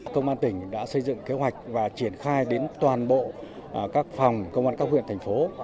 công an tỉnh đã xây dựng kế hoạch và triển khai đến toàn bộ các phòng công an các huyện thành phố